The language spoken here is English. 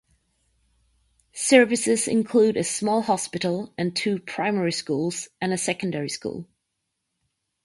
Services include a small hospital, and two primary schools and a secondary school.